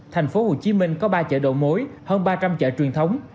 thành phố hồ chí minh có ba chợ đầu mối hơn ba trăm linh chợ truyền thống